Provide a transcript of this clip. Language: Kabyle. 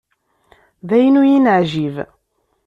D ayen ur yi-neɛǧib.